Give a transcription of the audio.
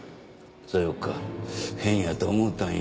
さよか変やと思ったんや。